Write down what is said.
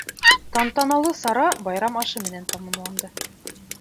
Тантаналы сара байрам ашы менән тамамланды.